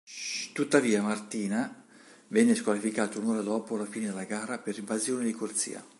Tuttavia, Martina venne squalificato un'ora dopo la fine della gara per invasione di corsia.